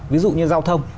ví dụ như giao thông